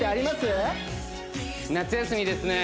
夏休みですね